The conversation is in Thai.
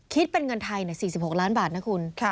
คิดเป็นเงินไทย๔๖ล้านบาทนะคุณ